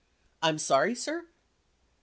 I'm sorry, sir ?